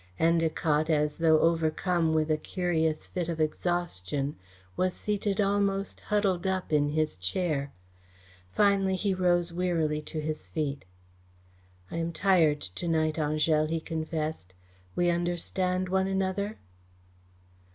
Endacott, as though overcome with a curious fit of exhaustion, was seated almost huddled up in his chair. Finally he rose wearily to his feet. "I am tired to night, Angèle," he confessed. "We understand one another?"